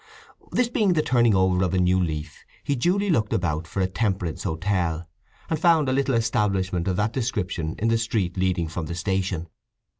This being the turning over a new leaf he duly looked about for a temperance hotel, and found a little establishment of that description in the street leading from the station.